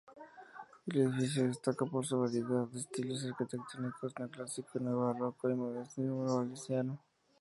El edificio destaca por su variedad de estilos arquitectónicos: neoclásico, neobarroco y modernismo valenciano.